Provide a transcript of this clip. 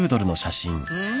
うん？